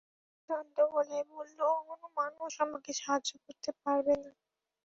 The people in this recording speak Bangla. তিন্নি ক্লান্ত গলায় বলল, কোনো মানুষ আমাকে সাহায্য করতে পারবে না।